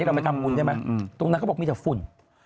เราไปทำบุญได้ไหมตรงนั้นเขาบอกมีแต่ฝุ่น